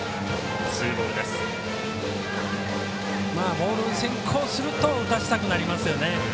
ボールが先行すると打たせたくなりますよね。